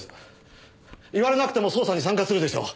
言われなくても捜査に参加するでしょう。